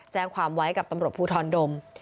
แจ้งความไว้กับตำรวจภูทรดม